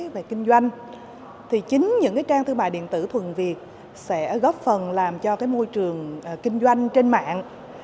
về kinh doanh thì chính những trang thương mại điện tử thuần việt sẽ góp phần làm cho cái môi trường kinh doanh trên mạng